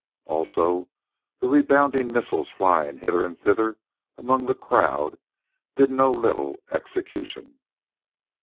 Also the rebounding missiles flying hither and thither among the crowd did no little execution.